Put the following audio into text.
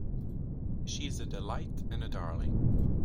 She is a delight and a darling.